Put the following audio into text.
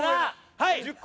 はい！